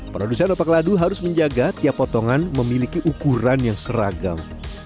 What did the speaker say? produsen opak ladu harus menjaga tiap potongan memiliki ukuran yang seragam